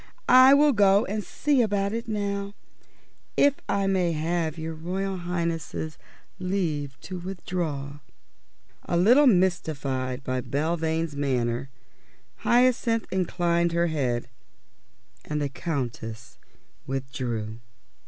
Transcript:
I will go and see about it now, if I may have your Royal Highness's leave to withdraw?" A little mystified by Belvane's manner, Hyacinth inclined her head, and the Countess withdrew.